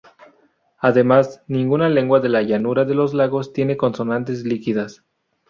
Además, ninguna lengua de la llanura de los lagos tiene consonantes líquidas.